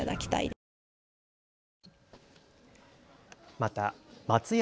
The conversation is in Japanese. また松屋